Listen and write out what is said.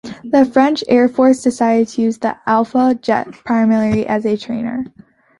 The French Air Force decided to use the Alpha Jet primarily as a trainer.